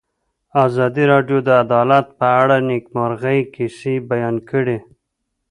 ازادي راډیو د عدالت په اړه د نېکمرغۍ کیسې بیان کړې.